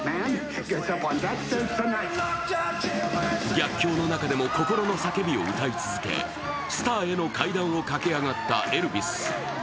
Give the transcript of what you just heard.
逆境の中でも心の叫びを歌い続け、スターへの階段を駆け上がったエルヴィス。